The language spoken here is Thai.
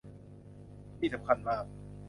นี่สำคัญมาก